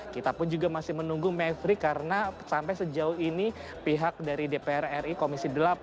kita pun juga masih menunggu mevri karena sampai sejauh ini pihak dari dpr ri komisi delapan